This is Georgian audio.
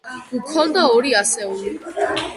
გვქონდა ორი ასეული.